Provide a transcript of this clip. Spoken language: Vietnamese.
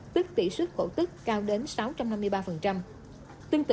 tức tỷ suất khẩu tức cao đến sáu trăm năm mươi ba